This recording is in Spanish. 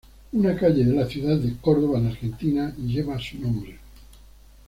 Una calle de la ciudad de Córdoba, en Argentina, lleva su nombre.